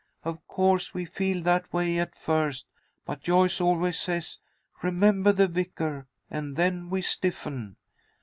"Of course we feel that way at first, but Joyce always says 'Remember the Vicar,' and then we stiffen."